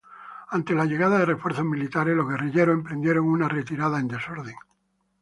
Ante la llegada de refuerzos militares, los guerrilleros emprendieron una retirada en desorden.